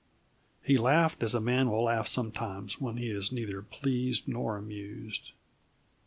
He laughed, as a man will laugh sometimes when he is neither pleased nor amused.